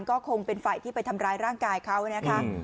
ก็คงเป็นฝ่ายที่ไปทำร้ายร่างกายเขานะคะ